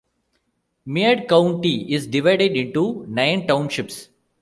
Meade County is divided into nine townships.